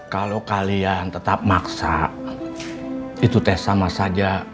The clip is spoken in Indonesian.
kalau kalian tetap maksa itu tes sama saja